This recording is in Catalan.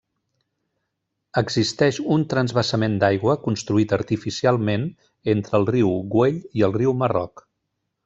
Existeix un transvasament d'aigua construït artificialment entre el riu Güell i el riu Marroc.